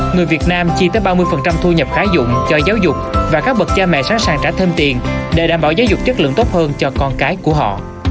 người việt nam chi tới ba mươi thu nhập khá dụng cho giáo dục và các bậc cha mẹ sẵn sàng trả thêm tiền để đảm bảo giáo dục chất lượng tốt hơn cho con cái của họ